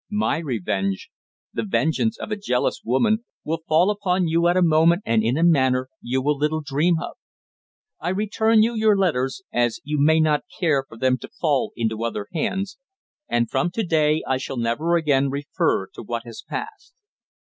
My revenge the vengeance of a jealous woman will fall upon you at a moment and in a manner you will little dream of. I return you your letters, as you may not care for them to fall into other hands, and from to day I shall never again refer to what has passed.